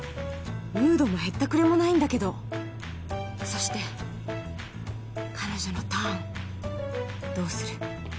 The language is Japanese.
ムードもへったくれもないんだけどそして彼女のターンどうする？